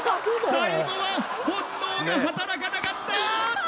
最後は本能が働かなかった！